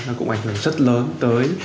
nó cũng ảnh hưởng rất lớn tới